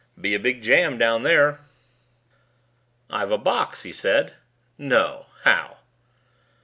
Be a big jam down there." "I've a box," he said. "No ... how